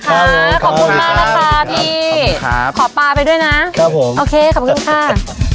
พร้อมค่ะขอบคุณมากนะคะพี่ขอบคุณครับขอปลาไปด้วยนะครับผมโอเคขอบคุณค่ะ